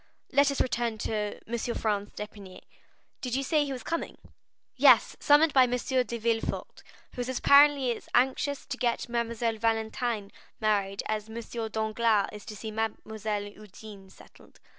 Let us return to M. Franz d'Épinay. Did you say he was coming?" "Yes; summoned by M. de Villefort, who is apparently as anxious to get Mademoiselle Valentine married as M. Danglars is to see Mademoiselle Eugénie settled.